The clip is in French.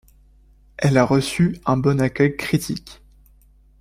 Elle a reçu un bon accueil critique.